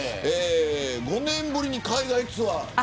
５年ぶりに海外ツアー。